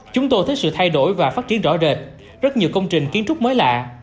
chúng tôi thấy sự thay đổi và phát triển rõ rệt rất nhiều công trình kiến trúc mới lạ